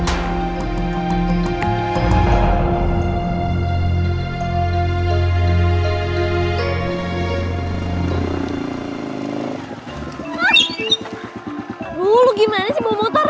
aduh lu gimana sih bawa motor